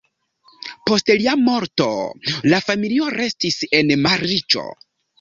Post lia morto la familio restis en malriĉo.